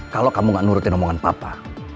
kalau kamu gak nurutin omongan papa